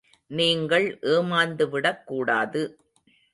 நீங்கள் ஏமாந்து விடக் கூடாது.